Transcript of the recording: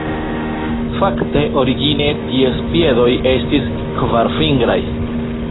Fakte, origine ties piedoj estis kvarfingraj.